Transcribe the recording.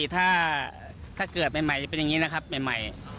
ถ้าเกิดใหม่จะเป็นอย่างนี้นะครับใหม่